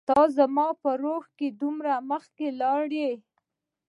ته زما په روح کي دومره مخکي لاړ يي